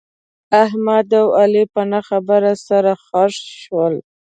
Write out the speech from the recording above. احمد او علي په نه خبره سره خښ شول.